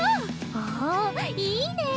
おおいいねえ。